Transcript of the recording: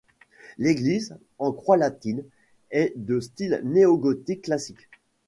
L’église, en croix latine, est de style néogothique classique.